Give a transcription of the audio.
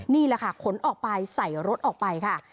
นี่แหละค่ะขนออกไปใส่รถออกไปค่ะ